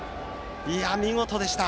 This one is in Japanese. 見事でした。